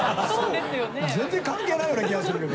全然関係ないような気がするけど。